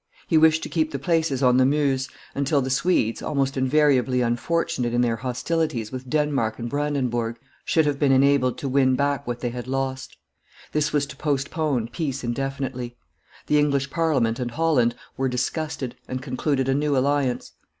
He wished to keep the places on the Meuse, until the Swedes, almost invariably unfortunate in their hostilities with Denmark and Brandenburg, should have been enabled to win back what they had lost. This was to postpone peace indefinitely. The English Parliament and Holland were disgusted, and concluded a new alliance.